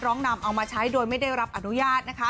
น้องนำเอามาใช้โดยไม่ได้รับอนุญาตนะคะ